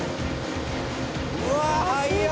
うわあ速っ！